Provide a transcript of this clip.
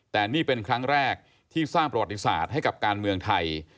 แต่นี่เป็นครั้งแรกที่สร้างประวัติศาสตร์ให้กับการเมืองไทย